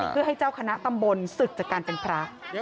เพื่อให้เจ้าคณะตำบลศึกจากการเป็นพระ